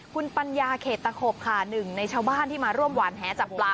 คุณปัญญาเขตตะขบค่ะหนึ่งในชาวบ้านที่มาร่วมหวานแหจับปลา